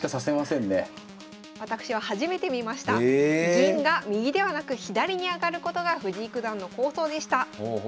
銀が右ではなく左に上がることが藤井九段の構想でした。